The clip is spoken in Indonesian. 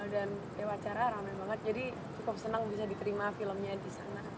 dan wacara rame banget jadi cukup senang bisa diterima filmnya disana